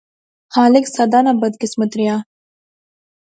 خالق سدا نا بدقسمت ریا